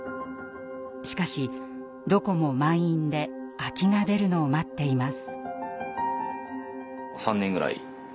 しかしどこも満員で空きが出るのを待っています。